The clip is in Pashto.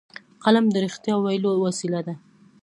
قلم د رښتیا ویلو وسیله ده